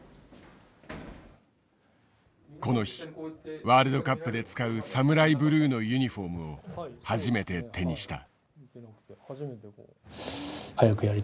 この日ワールドカップで使うＳＡＭＵＲＡＩＢＬＵＥのユニフォームを初めて手にした。